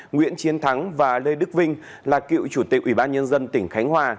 nguyễn chiến thắng và lê đức vinh là cựu chủ tịch ủy ban nhân dân tỉnh khánh hòa